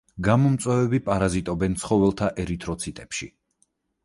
გამომწვევები პარაზიტობენ ცხოველთა ერითროციტებში.